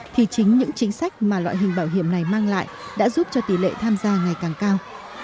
thì chính những chính sách mà loại hình bảo hiểm này mang lại đã giúp cho tỷ lệ tham gia ngày càng cao